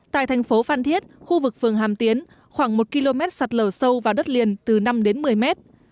tại thành phố phan thiết khu vực phường hàm tiến khoảng một km sạt lở sâu vào đất liền từ năm đến một mươi mét